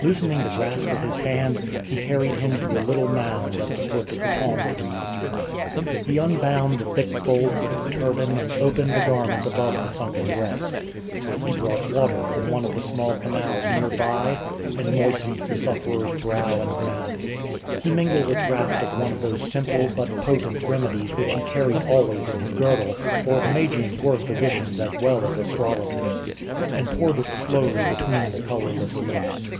Loosening the grasp of his hand, he carried him to a little mound at the foot of the palm tree. He unbound the thick folds of the turban and opened the garment above the sunken breast. He brought water from one of the small canals near by, and moistened the sufferer's brow and mouth. He mingled a draught of one of those simple but potent remedies which he carried always in his girdle for the Magians were physicians as well as astrologers and poured it slowly between the colourless lips.